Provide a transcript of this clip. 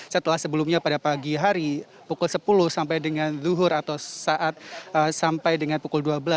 setelah sebelumnya pada pagi hari pukul sepuluh sampai dengan zuhur atau saat sampai dengan pukul dua belas